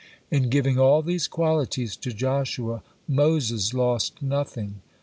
In giving all these qualities to Joshua, Moses lost nothing.